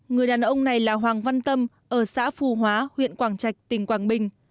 người đàn ông này là hoàng văn tâm ở xã phù hóa huyện quảng trạch tỉnh quảng bình